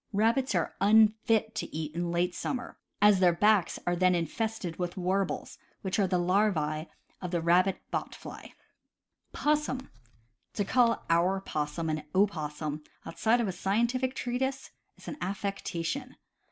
Rabbits are unfit to eat in late summer, as their backs are then infested with warbles, which are the larv8e of the rabbit bot fly. Possmn. — To call our possum an opossum, outside of a scientific treatise, is an affectation.